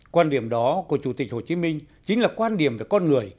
quan điểm đó của chủ tịch hồ chí minh chính là quan điểm về con người